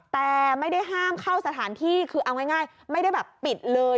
แต่ไม่ได้ห้ามเข้าสถานที่คือเอาง่ายไม่ได้แบบปิดเลย